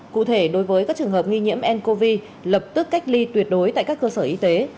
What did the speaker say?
cụ thể đối với các trường hợp nghi nhiễm ncov lập tức cách ly tuyệt đối tại các cơ sở y tế